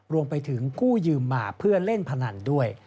รวมไปถึงกู้ยืมมาเพื่อเล่นพนันด้วย